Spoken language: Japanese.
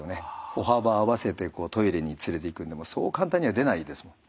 歩幅合わせてトイレに連れていくんでもそう簡単には出ないですもん。